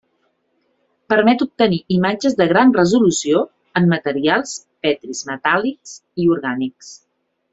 Permet obtenir imatges de gran resolució en materials petris, metàl·lics i orgànics.